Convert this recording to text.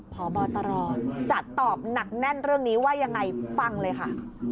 พบตรจะตอบหนักแน่นเรื่องนี้ว่ายังไงฟังเลยค่ะ